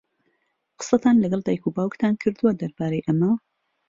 قسەتان لەگەڵ دایک و باوکتان کردووە دەربارەی ئەمە؟